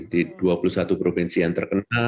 di dua puluh satu provinsi yang terkenal